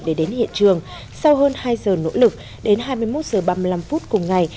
để đến hiện trường sau hơn hai giờ nỗ lực đến hai mươi một h ba mươi năm phút cùng ngày